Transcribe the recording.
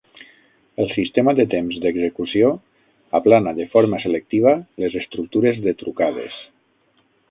El sistema de temps d'execució aplana de forma selectiva les estructures de trucades.